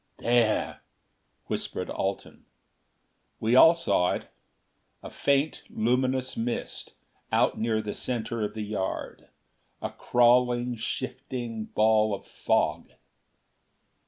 "There!" whispered Alten. We all saw it a faint luminous mist out near the center of the yard a crawling, shifting ball of fog.